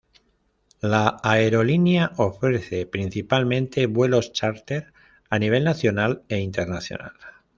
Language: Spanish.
La aerolínea ofrece principalmente vuelos chárter a nivel nacional e internacional.